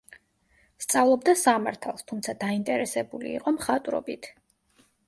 სწავლობდა სამართალს, თუმცა დაინტერესებული იყო მხატვრობით.